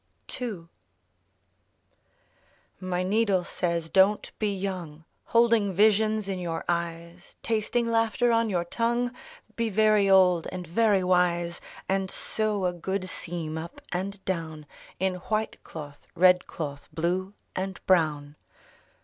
11 My needle says: Don't be young, Holding visions in your eyes, Tasting laughter on your tongue! — Be very old and very wise, And sew a good seam up and down In white cloth, red cloth, blue and brown.